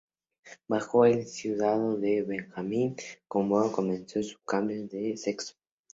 Bajo el cuidado de Benjamin, Conway comenzó su cambio de sexo.